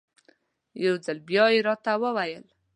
یو ځل بیا یې راته وویل.